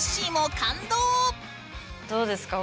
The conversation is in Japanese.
どうですか？